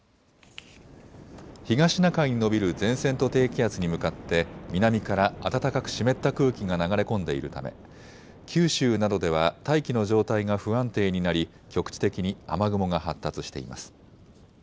東シナ海に延びる前線と低気圧に向かって南から暖かく湿った空気が流れ込んでいるため九州などでは大気の状態が不安定になり局地的に雨雲が発達しています。